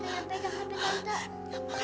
aliknya pegang pegang dok